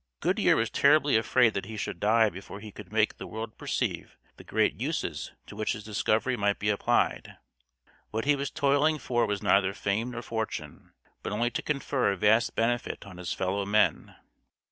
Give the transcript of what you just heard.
Goodyear was terribly afraid that he should die before he could make the world perceive the great uses to which his discovery might be applied. What he was toiling for was neither fame nor fortune, but only to confer a vast benefit on his fellow men.